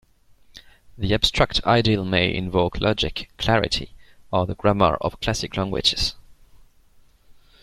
The abstract ideal may invoke logic, clarity, or the grammar of "classic" languages.